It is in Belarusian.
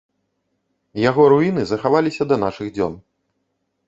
Яго руіны захаваліся да нашых дзён.